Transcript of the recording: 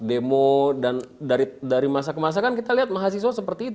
demo dan dari masa ke masa kan kita lihat mahasiswa seperti itu